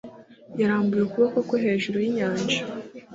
yarambuye ukuboko kwe hejuru y inyanja